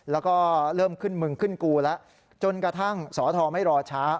แล้วก็เริ่มขึ้นมึงขึ้นกูแล้วจนกระทั่งสอทรไม่รอช้า